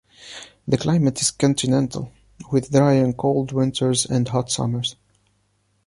The climate is continental, with dry and cold winters and hot summers.